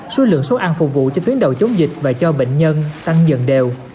số lượng số ăn phục vụ cho tuyến đầu chống dịch và cho bệnh nhân tăng dần đều